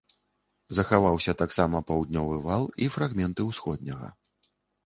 Захаваўся таксама паўднёвы вал і фрагменты ўсходняга.